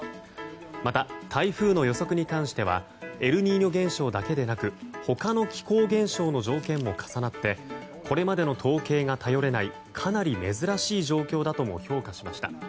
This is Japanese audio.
また台風の予測に関してはエルニーニョ現象だけでなく他の気候現象の条件も重なってこれまでの統計が頼れないかなり珍しい状況だとも評価しました。